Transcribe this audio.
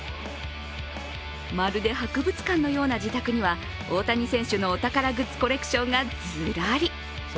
まるで博物館のような自宅には大谷選手のお宝グッズコレクションがずらり。